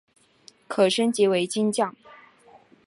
可升级为金将。